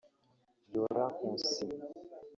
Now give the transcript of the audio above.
Laurent Nkunsi